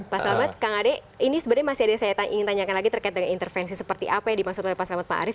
pak selamat kang ade ini sebenarnya masih ada yang saya ingin tanyakan lagi terkait dengan intervensi seperti apa yang dimaksud oleh pak selamat pak arief